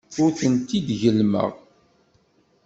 Ur tent-id-gellmeɣ.